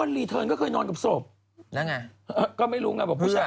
อ่อนลีเทิร์นก็เคยนอนกับศพ